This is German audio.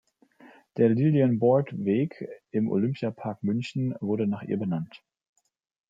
Der Lillian-Board-Weg im Olympiapark München wurde nach ihr benannt.